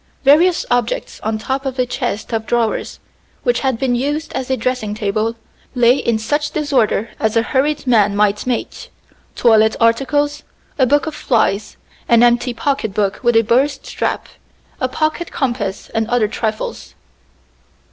Various objects on the top of a chest of drawers, which had been used as a dressing table, lay in such disorder as a hurried man might make toilet articles, a book of flies, an empty pocket book with a burst strap, a pocket compass and other trifles.